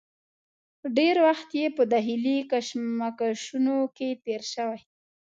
ډېر وخت یې په داخلي کشمکشونو کې تېر شوی.